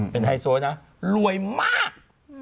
เป็นไฮโซนะรวยมาก